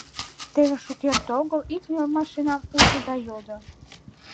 Теве шукерте огыл ик еҥ машинам ужо да йодо: